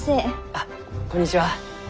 あこんにちは。